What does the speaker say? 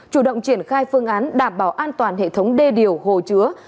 chủ động triển khai phương án đảm bảo an toàn hệ thống đê điều hồ chứa